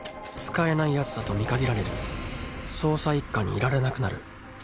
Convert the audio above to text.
「使えないやつだと見限られる」「捜査一課にいられなくなる」